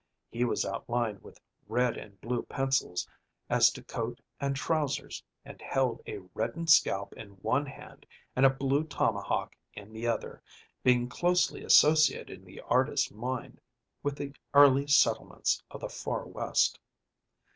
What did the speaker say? He was outlined with red and blue pencils as to coat and trousers, and held a reddened scalp in one hand and a blue tomahawk in the other; being closely associated in the artist's mind with the early settlements of the far West.